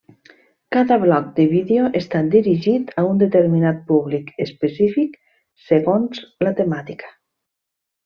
Cada blog de vídeo està dirigit a un determinat públic específic segons la temàtica.